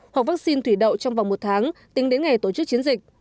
hoặc vaccine thủy đậu trong vòng một tháng tính đến ngày tổ chức chiến dịch